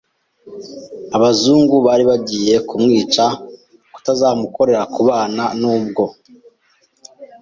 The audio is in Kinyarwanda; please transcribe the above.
abazungu bari bagiye kumwica kutazamukorera ku bana n’ubwo